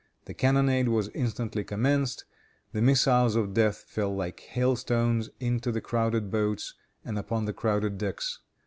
The cannonade was instantly commenced. The missiles of death fell like hail stones into the crowded boats and upon the crowded decks.